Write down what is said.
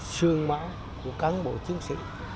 sương mẫu của các bộ chiến sĩ